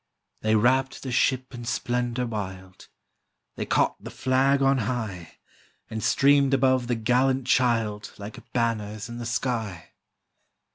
They wrapt the ship in splendor wild, They caught the flag on high, And streamed above the gallant child, Like banners in the sky.